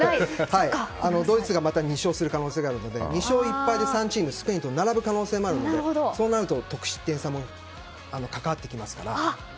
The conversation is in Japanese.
ドイツがまた２勝する可能性があるので２勝１敗で３チーム、スペインと並ぶ可能性もあるのでそうなると得失点差も関わってきますから。